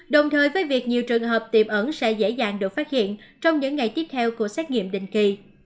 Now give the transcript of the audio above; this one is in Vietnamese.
đồng thời với việc nhiều trường hợp tiềm ẩn sẽ dễ dàng được phát hiện trong những ngày tiếp theo của xét nghiệm định kỳ